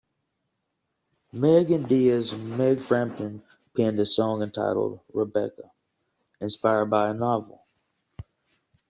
Meg and Dia's Meg Frampton penned a song entitled "Rebecca", inspired by the novel.